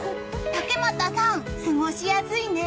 竹俣さん、過ごしやすいね！